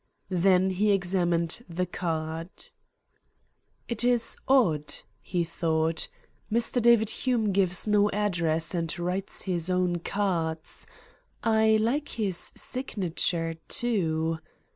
Then he examined the card. "It is odd," he thought. "Mr. David Hume gives no address, and writes his own cards. I like his signature, too.